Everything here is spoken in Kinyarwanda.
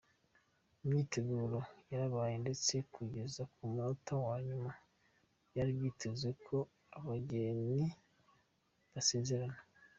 Imyiteguro yarabaye, ndetse kugeza ku munota wa nyuma byari byitezwe ko abageni basezerana.